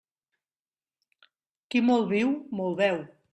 Qui molt viu, molt veu.